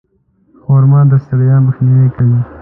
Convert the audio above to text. خرما د ستړیا مخنیوی کوي.